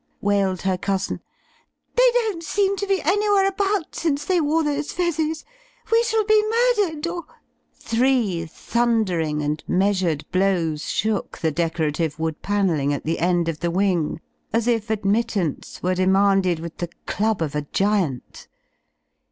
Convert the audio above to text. wailed her cousin. "They don't seem to be an3rwhere about since they wore those f ezzes. We shall be murdered or —Three thundering and measured blows shook the decorative wood panelling at the end of the wing; as if admittance were demanded with the club of a giant.